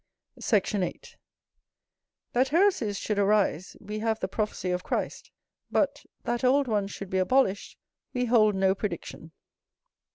Sect. 8. That heresies should arise, we have the prophecy of Christ; but, that old ones should be abolished, we hold no prediction.